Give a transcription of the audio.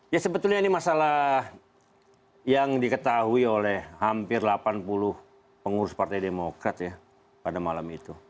ya sebetulnya ini masalah yang diketahui oleh hampir delapan puluh pengurus partai demokrat ya pada malam itu